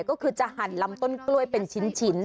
ก็คือจะหั่นลำต้นกล้วยเป็นชิ้น